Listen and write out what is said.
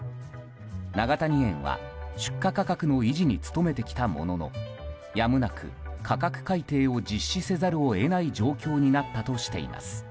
永谷園は出荷価格の維持に努めてきたもののやむなく価格改定を実施せざるを得ない状況になったとしています。